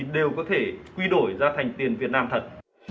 đều có thể quy đổi ra thành tiền việt nam thật